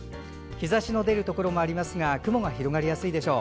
日ざしの出るところもありますが雲が広がりやすいでしょう。